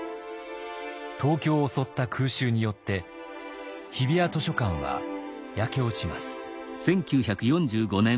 東京を襲った空襲によって日比谷図書館は焼け落ちます。